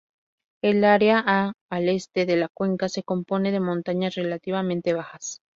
El área a al este de la cuenca se compone de montañas relativamente bajas.